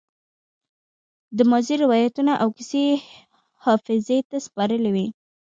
د ماضي روايتونه او کيسې يې حافظې ته سپارلې وي.